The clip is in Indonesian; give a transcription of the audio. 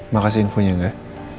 mau kasih infonya gak